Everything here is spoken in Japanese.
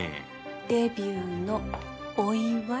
デビューのお祝い。